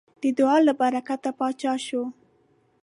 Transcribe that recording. د دعا له برکته پاچا شو.